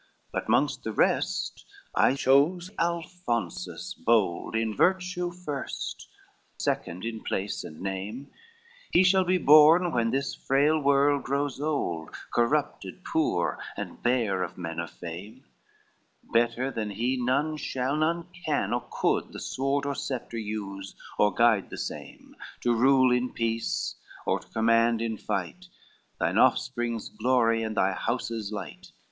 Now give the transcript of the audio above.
XC "But mongst the rest I chose Alphonsus bold, In virtue first, second in place and name, He shall be born when this frail world grows old, Corrupted, poor, and bare of men of fame, Better than he none shall, none can, or could, The sword or sceptre use or guide the same, To rule in peace or to command in fight, Thine offspring's glory and thy house's light.